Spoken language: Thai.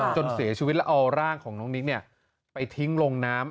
จนเสียชีวิตแล้วเอาร่างของน้องนิกไปทิ้งลงน้ำ